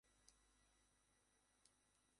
আপনার এ-রকম মনে করার কারণ কী?